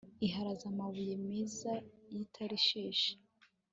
iharaze amabuye meza y'i tarishishi